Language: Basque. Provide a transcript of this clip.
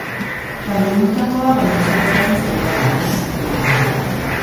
Baimendutakoa baino zortzi aldiz gehiago, hain zuzen ere.